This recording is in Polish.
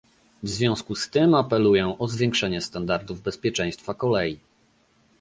W związku z tym apeluję o zwiększenie standardów bezpieczeństwa kolei